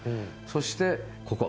そしてここ。